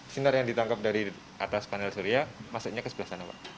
sinar yang ditangkap dari atas panel surya masuknya ke sebelah sana pak